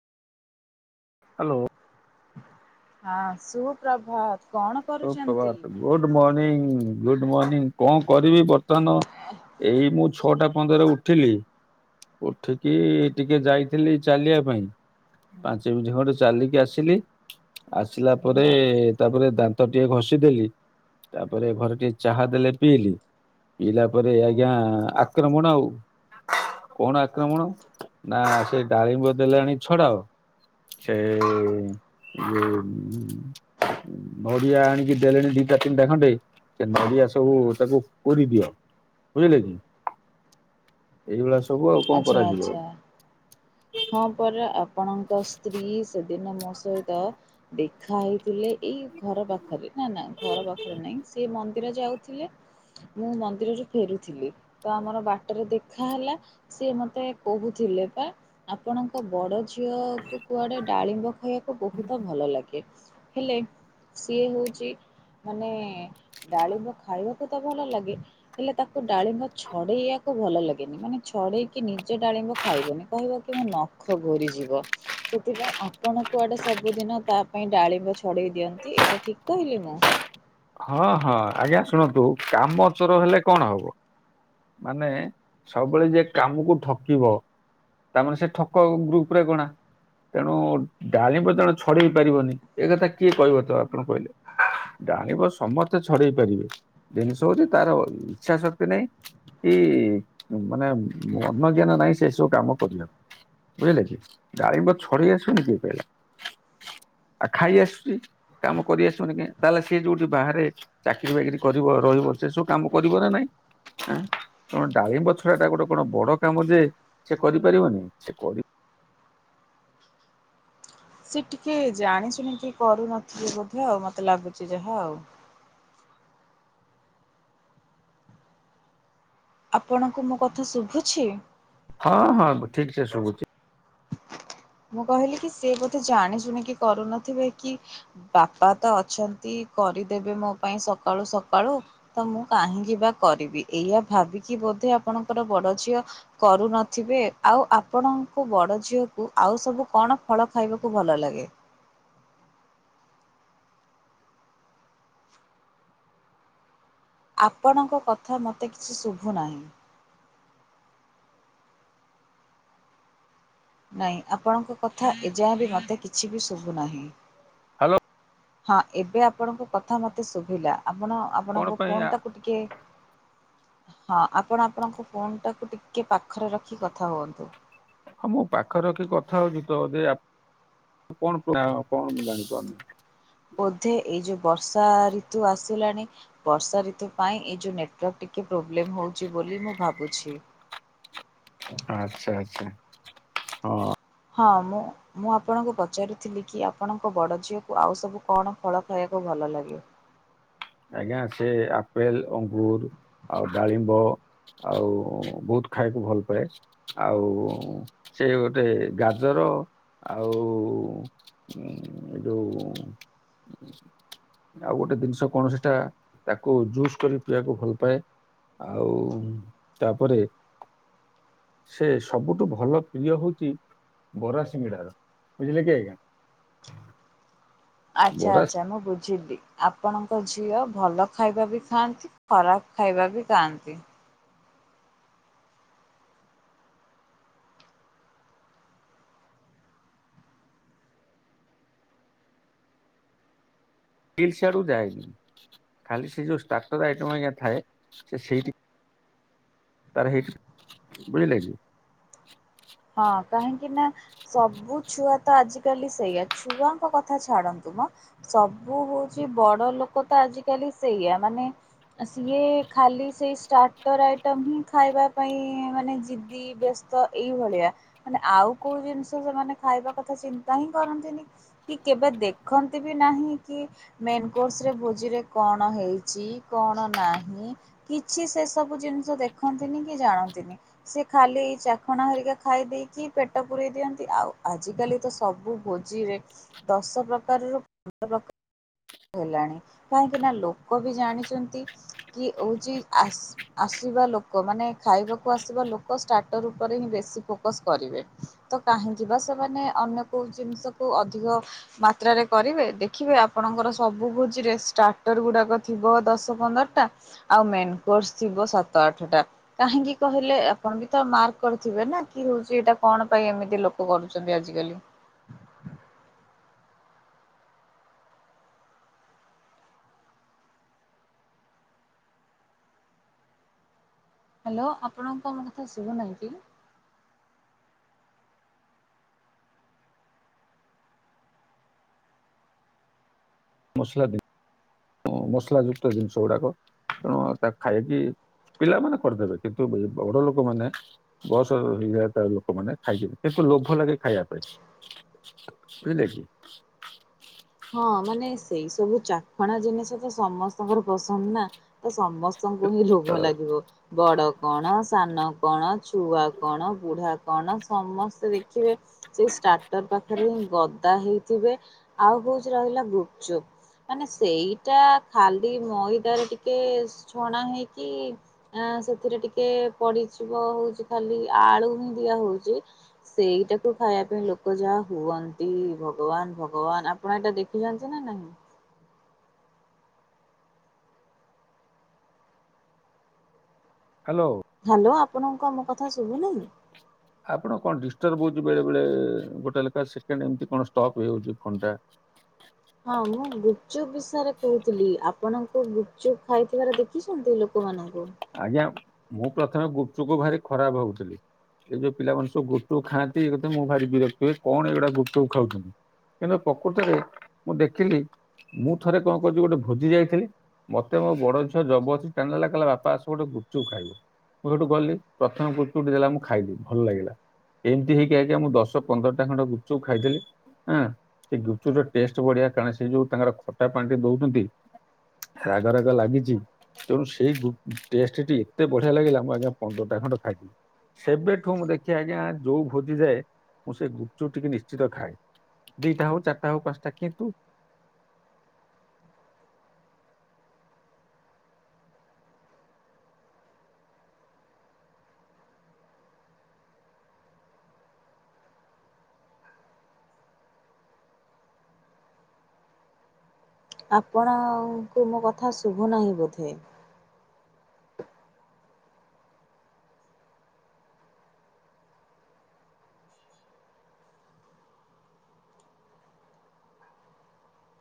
Hello. ହଁ ସୁ ପ୍ରଭାତ୍। ସୁ ପ୍ରଭାତ ଗୁଡ଼୍ ମର୍ଣିଂ ଗୁଡ଼୍ ମର୍ଣିଂ କଣ କରିବି ବତ ର୍ତ୍ତନ ଏଇ ମୁଁ ଛଅଟା ପନ୍ଦରେ ଉଠିଲି। ଉଠିକି ଟିକେ ଯାଇଥିଲି ଚାଲିୟା ପାଇଁ। ପାଞ୍ଚ ମିନ୍ଟି ଖଣ୍ଡେ ଚାଲିକି ଆସିଲି। ଆସିଲା ପରେ ତାପରେ ଦାନ୍ତ୍ ତ ଟିକେ ଘଷି ଦେଲି ତାପରେ ଘରେ ଟିଏ ଚାହା ଦେଲେ ପିଇଲି। ପିଇିଲା ପରେ ଆଜ୍ଞା ଆକ୍ରମଣ ଆଉ। କଣ ଆକ୍ରମଣ? ନା ସେଇ ଡ଼ାଳିମ୍ବ ଦେଲାଣି ଛଡ଼ାଅ। ଛେ [unintelligible] ନଡ଼ିଆ ଆଣିକି ଦେଲେଣି ଦିଟା ତିନିଟା ଖଣ୍ଡେ ସେ ନଡ଼ିଆ ସବୁ ତାକୁ କୋରି ଦିଅ। ବୁଝିଲେ କି? [inaudible] ଏଇଭଳିଆ ସବୁ ଆଉ କଣ ଆଚ୍ଛା ଆଚ୍ଛା କରାଯିବ। ହଁ ପରା। ଆପଣଙ୍କ ସ୍ତ୍ରୀ ସେଦିନ ମୋ ସହିତ ଦେଖା ହେଇଥିଲେ ଏଇ ଘର ପାଖରେ। ନା ନା ଘର ପାଖରେ ନାହିଁ। ସେ ମନ୍ଦିର ଯାଉଥିଲେ। ମୁଁ ମନ୍ଦିରରୁ ଫେରୁଥିଲି ତ ଆମର ବାଟରେ ଦେଖା ହେଲା। ସିଏ ମତେ କହୁଥିଲେ ପା। ଆପଣଙ୍କ ବଡ଼ ଝିଅକୁ କୁଆଡ଼େ ଡାଳିମ୍ବ ଖାଇୟାକୁ ବହୁତ ଭଲ ଲାଗେ। ହେଲେ। ସିଏ ହୋଉଚି ମାନେ ଡ଼ାଳିମ୍ବ ଖାଇବାକୁ ତ ଭଲ ଲାଗେ। ହେଲେ ତାକୁ ଡ଼ାଳିମ୍ବ ଛଡ଼େଇୟାକୁ ଭଲ ଲାଗେନି। ମାନେ ଛଡ଼େଇକି ନିଜେ ଡ଼ାଳିମ୍ବ ଖାଇବନି କହିବ କହିବ ମୋ ନଖ ଘୋରିଯିବ। ସେଥିପାଇଁ ଆପଣ କୁଆଡେ ସବୁଦିନ ତା ପାଇଁ ଡାଳିମ୍ବ ଛଡେଇ ଦିଅନ୍ତି। ଏଇଟା ଠିକ କହିଲି ନା। ହଁ ହଁ ଆଜ୍ଞା ଶୁଣନ୍ତୁ କାମ ଚୋର ହେଲେ କଣ ହବ। ମାନେ ସବୁବେଳେ ଯିଏ କାମକୁ ଠକିବ। ତା ମାନେ ସେ ଠକ ଗ୍ରୁପ୍ ରେ ଗଣା। ତେଣୁ ଡାଲିମ୍ବ ଜଣେ ଛଡେଇ ପାରିବନି ଏ କଥା କିଏ କହିବ ତ ଆପଣ କହିଲେ। ଡାଳିମ୍ବ ସମସ୍ତେ ଛଡେଇ ପାରିବେ ଜିନିଷ ହଉଛି ତାର ଇଚ୍ଛା ଶକ୍ତି ନାହିଁ। ଏଇ ମାନେ ମନଜ୍ଞାନ ନାହିଁ ସେ ସବୁ କାମ କରିବାକୁ। ବୁଝିଲେ କି ଡାଳିମ୍ବ ଛଡେଇ ଆସିବନି କିଏ କହିଲା। ଆଉ ଖାଇ ଆସୁଛି କାମ କରି ଆସୁନି କାଇଁ। ତାହେଲେ। ସେ ଯୋଉଠି ବାହାରେ ଚାକିରି ବାକିରି କରିବ ରହିବ ସେ ସବୁ କାମ କରିବ ନା ନାଇଁ। ଆଁ କଣ ଡାଳିମ୍ବଛଡା ଟା ଗୋଟେ କଣ ବଡ କାମ ଯେ ସେ କରିପାରିବନି ସେ କରି। ସେ ଟିକେ ଜାଣି ଶୁଣିକି କରୁନଥିବ ବୋଧେ ଆଉ ମତେ ଲାଗୁଛି ଯାହା ଆଉ। ଆପଣଙ୍କୁ ମୋ କଥା ଶୁଭୁଛି। ହଁ ହଁ ଠିକ ସେ ଶୁଭୁଛି। ମୁଁ କହିଲି କି ସିଏ ବୋଧେ ଜାଣିଶୁଣି କିି କରୁ ନ ଥିବେ କି। ବାପା ତ ଅଛନ୍ତି କରିଦେବେ ମୋ ପାଇଁ ସକାଳୁ ସକାଳୁ। ତ ମୁଁ କାହିଁକି ବା କରିବି ଏଇଆ ଭାବିକି ବୋଧେ ଆପଣଙ୍କର ବଡ ଝିଅ। କରୁ ନଥିବେ ଆଉ ଆପଣଙ୍କୁ ବଡ ଝିଅକୁ। ଆଉ ସବୁ କଣ ଫଳ ଖାଇବାକୁ ଭଲ ଲାଗେ। ଆପଣଙ୍କ କଥା ମୋତେ କିଛି ଶୁଭୁ ନାହିଁ। ନାଇଁ ଆପଣଙ୍କ କଥା ଏଯାଏ ବି ମୋତେ କିଛି ବି ଶୁଭୁ ନାହିଁ। ହାଲୋ। ହଁ ଏବେ ଆପଣଙ୍କ କଥା ମତେ ଶୁଭିଲା ଆପଣ କଣ ଆପଣଙ୍କ ପାଇଁ ଫୋନ୍ ଆ- ଟାକୁ ଟିକେ। ହଁ ଆପଣ ଆପଣଙ୍କ ଫୋନ୍ ଟାକୁ ଟିକେ ପାଖରେ ରଖି କଥା ହୁଅନ୍ତୁ। ହଁ ମୁଁ ପାଖରେ ରଖି କଥା ହଉଚି ତ। କଣ ଜାଣିପାରୁନ [unintelligible] ବୋଧେ ଏଇ ଯୋଉ ବର୍ଷା ଋତୁ ଆସିଲାଣି। ବର୍ଷା ଋତୁ ପାଇଁ ଏଇ ଯୋଉ ନେଟ୍ୱାର୍କ ଟିକେ ପୋବ୍ଲେମ୍ ହଉଚି ବୋଲି ମୁଁ ଭାବୁଛି। ଆଚ୍ଛା ଆଚ୍ଛା ହଁ। ହଁ ମୁଁ। ମୁଁ ଆପଣଙ୍କୁ ପଚାରୁି ଥିଲି କି ଆପଣଙ୍କ ବଡ଼ ଝିଅକୁ ଆଉ ସବୁ କଣ ଫଳ ଖାଇବାକୁ ଭଲ ଲାଗେ। ଆଜ୍ଞା ସେ ଆପେଲ୍ ଅଙ୍ଗୁର୍ ଆଉ ଡାଳିମ୍ବ। ଆଉ ବହୁତ୍ ଖାଇବାକୁ ଭଲ ପାଏ। ଆଉ ସେ ଗୋଟିଏ ଗାଜର ଆଉ। ଉଁ ଯୋଉ ଆଉ ଗୋଟିଏ ଜିନିଷ। କଣ ସେଟା ତାକୁ ଜୁସ୍ କରି ପିଇବାକୁ ଭଲ ପାଏ। ଆଉ ତା ପରେ। ସେ ସବୁଠୁ ଭଲ ପ୍ରିୟ ହଉଚି। ବରା ସିଙ୍ଗିଡ଼ା। ବୁଝିଲେ କି ଆଜ୍ଞା। ଆଚ୍ଛା ବରା ଆଚ୍ଛା ମୁଁ ବୁଝିଲି। ଆପଣଙ୍କ ଝିଅ ଭଲ ଖାଇବା ବି ଖାଆନ୍ତି ଖରାପ ଖାଇବା ବି ଖାଆନ୍ତି। ଇଲସ୍ଆଡୁ ଯାଏନି ଖାଲି ସେ ଯୋଉ ଷ୍ଟାର୍ଟର ଆଇଟମ୍ ଆଜ୍ଞା ଥାଏ ସେ ସେଇଠି। ତାର ହେଇ ବୁଝିଲେ କି ହଁ କାହିଁକି ନା। ସବୁ ଛୁଆ ତ ଆଜିକାଲି ସେଇଆ ଛୁଆଙ୍କ କଥା ଛାଡନ୍ତୁ ମ। ସବୁ ହଉଛି ବଡ ଲୋକ ତ ଆଜିକାଲି ସେଇଆ ମାନେ। ସିଏ ଖାଲି ସେଇ ଷ୍ଟାର୍ଟର ଆଇଟମ ହିଁ ଖାଇବା ପାଇଁ ମାନେ ଜିଦି। ବ୍ୟସ୍ତ ଏ ଭଳିଆ ମାନେ ଆଉ କୋଉ ଜିନିଷ ସେମାନେ ଖାଇବା କଥା ଚିନ୍ତା ହିଁ କରନ୍ତିନି। କି କେବେ ଦେଖନ୍ତି ବି ନାହିଁ କି। ମେନ କୋସରେ ଭୋଜିରେ କଣ ହେଇଛି କଣ ନାହିଁ। କିଛି ସେ ସବୁ ଜିନିଷ ଦେଖନ୍ତିନି କି ଜାଣନ୍ତିନି ସେ ଖାଲି ଏଇ ଯାହା ଖଣା ହରିକା ଖାଇ ଦେଇେଇକି ପେଟ ପୂରେଇ ଦିଅନ୍ତି ଆଉ ଆଜିକାଲି ତ ସବୁ ଭୋଜିରେ। ଦଶ ପ୍ରକାରରୁ। ମ ର [unintelligible] ହେଲାଣି କାହିଁକି ନା ଲୋକ ବି ଜାଣିଛନ୍ତି କି ହଉଛି ଆ ଆସିବା ଲୋକ ମାନେ ଖାଇବାକୁ ଆସିବା ଲୋକ ଷ୍ଟାର୍ଟର ଉପରେ ହିଁ ବେଶୀ ଫୋକସ କରିବେ। ତ କାହିଁକି ବା ସେମାନେ ଅନ୍ୟ କୋଉ ଜିନିଷକୁୁ ଅଧିକ। ମାତ୍ରାରେ କରିବେ ଦେଖିବେ ଆପଣଙ୍କର। ସବୁ ଭୁଜିରେ ଷ୍ଟାର୍ଟର ଗୁଡ଼ାକ ଥିବ ଦଶ ପନ୍ଦରଟା। ଆଉ ମେନ୍ କୋର୍ସ ଥିବ ସାତ ଆଠଟା। କାହିଁକି କହିଲେ ଆପଣ ବି ତ ମାର୍କ କରିଥିବେ ନା କି ହଉଛି ଏଇଟା କଣ ପାଇଁ ଏମିତି ଲୋକ କରୁଛନ୍ତି ଆଜିକାଲି। ହ୍ୟାଲୋ ଆପଣଙ୍କୁ ଆମ କଥା ଶୁଭୁନାହିଁ କି। ମୁସଲ ଦିନ [unintelligible] ମସଲା ଯୁକ୍ତ ଜିନିଷ ଗୁଡାକ ତେଣୁ ତାକୁ ଖାଇକି। ପିଲାମାନେ କରିଦେବେ କିନ୍ତୁ ବଡ ଲୋକମାନେ। ବୟସ ହେଇଯଏ ତ ଲୋକମାନେ ଖାଇଯେ କିନ୍ତୁ ଲୋଭ ଲାଗେ ଖାଇବା ପାଇଁ। ବୁଝିଲେ କିି। ହଁ ମାନେ ସେଇ ସବୁ ଚାଖଣା ଜିନିଷ ତ ସମସ୍ତଙ୍କର ପସନ୍ଦ ନା ତ ସମସ୍ତ ଙ୍କୁ ହିଁ ଲୋଭ ଲାଗିବ ବଡ କଣ ସାନ କଣ ଛୁଆ କଣ ବୁଢା କଣ ସମସ୍ତେ ଦେଖିବେ। ସେଇ ଷ୍ଟାର୍ଟର ପାଖରେ ହିଁ ଗଦା ହେଇଥିବେ ଆଉ ହଉଛି ରହିଲା ଗୁପଚୁପ। ମାନେ ସେଇଟା ଖାଲି ମଇଦାରେ ଟିକେ ଛଣା ହେଇକି। ଆ ସେଥିରେ ଟିକେ ପଡିଯିବ ହଉଛି ଖାଲି ଆଳୁ ଦିଆ ହଉଛି। ସେଇଟାକୁ ଖାଇବା ପାଇଁ ଲୋକ ଯାହା ହୁଅନ୍ତି ଭଗବାନ ଭଗବାନ ଆ ଆପଣ ଏଇଟା ଦେଖିଛନ୍ତି ନା ନାହିଁ। ହ୍ୟାଲୋ। ହ୍ୟାଲୋ ଆପଣଙ୍କୁ କଣ ମୋ କଥା ଶୁଭୁନାହିଁ। ଆପଣ କଣ ଡିଷ୍ଟର୍ବ ହଉଛି ବେଳେ ବେଳେ ଗୋଟେ ଲେଖା ସେକେଣ୍ଡ ଏମତି କଣ ଷ୍ଟପ୍ ହେଇଯାଉଛି ଫୋନ ଟା। ହଁ ମୁଁ ଗୁପଚୁପ ବିଷୟରେ କହୁଥିଲି ଆପଣଙ୍କୁ ଗୁପଚୁପ ଖାଇଥିବାର ଦେଖିଛନ୍ତି ଲୋକମାନଙ୍କୁ। ଆଜ୍ଞା ମୁଁ ପ୍ରଥମେ ଗୁପଚୁପ ଭାରି ଖରାପ ଭାବୁଥିଲି। ଏଇ ଯୋଉ ପିଲାମାନେ ସବୁ ଗୁପଚୁପ ଖାଆନ୍ତି ଇକଥା ମୁଁ ଭାରି ବିରକ୍ତ ହୁଏ କଣ ଏଗୁଡା ଗୁପଚୁପ ଖାଉଛନ୍ତି। କିନ୍ତୁ ପ୍ରକୃତରେ ମୁଁ ଦେଖିଲି। ମୁଁ ଥରେ କଣ କରୁଛି ଗୋଟେ ଭୋଜି ଯାଇଥିଲି ମତେ ମୋ ବଡ ଝିଅ ଜବରଦସ୍ତି ଟାଣିନେଲା କହିଲା ବାପା ଆସ ଗୋଟେ ଗୁଚୁପ ଖାଇବ ମୁଁ ସେଠୁ ଗଲି ପ୍ରଥମ ଗୁପଚୁପ ଟିଦେଲା ମୁଁ ଖାଇଲି ଭଲ ଲାଗିଲା। ଏମିତି ହେଇକି ଆଜ୍ଞା ମୁଁ ଦଶ ପନ୍ଦରଟା ଖଣ୍ଡ ଗୁପଚୁପ ଖାଇଦେଲି। ହଁ ସେ ଗୁପଚୁର ଟେଷ୍ଟ ବଢିଆ କାରଣ ସେ ଯୋଉ ତାଙ୍କର ଖଟା ପାଣି ରେ ଦଉଛନ୍ତି। ରାଗ ରାଗ ଲାଗିଛି ତେଣୁ ସେଇ ଗୁ ଟେଷ୍ଟ ଟି ଏତେ ବଢିଆ ଲାଗିଲା ମୁଁ ଆଜ୍ଞା ପନ୍ଦରଟା ଖଣ୍ଡ ଖାଇଦେଲି। ସେବେଠୁ ମୁଁ ଦେଖେ ଆଜ୍ଞା ଯୋଉ ଭୋଜି ଯାଏ ମୁଁ ସେ ଗୁପଚୁପ ଟିକେ ନିଶ୍ଚିତ ଖାଏ ଦିଇଟା ହଉ ଚାରିଟା ହୋଉ ପାଞ୍ଚଟା କିନ୍ତୁ ଆପଣଙ୍କୁ ମୋ କଥା ଶୁଭୁ ନାହିଁ ବୋଧେ